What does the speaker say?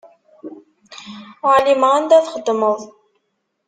Ur εlimeɣ anda txeddmeḍ.